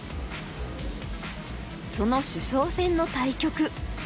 その主将戦の対局。